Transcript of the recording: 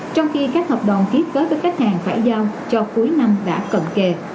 trong khi các hợp đồng ký kết với khách hàng phải giao cho cuối năm đã cận kề